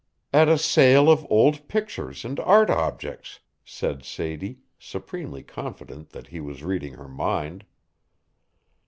"] "At a sale of old pictures and art objects," said Sadie, supremely confident that he was reading her mind.